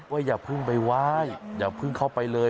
อย่าเพิ่งไปไหว้อย่าเพิ่งเข้าไปเลย